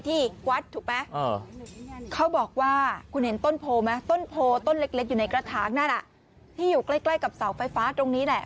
ที่อยู่ใกล้กับเสาไฟฟ้าตรงนี้แหละ